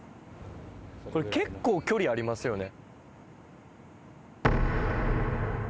これ結構距離ありますよね。